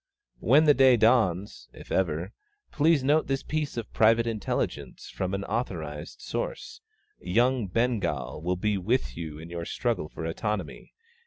When that day dawns if ever please note this piece of private intelligence from an authorised source: _Young Bengal will be with you in your struggle for Autonomy.